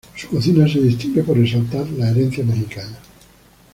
Su cocina se distingue por exaltar la herencia mexicana.